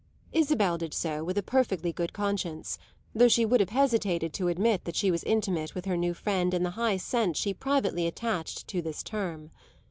Isabel did so with a perfectly good conscience, though she would have hesitated to admit she was intimate with her new friend in the high sense she privately attached to this term.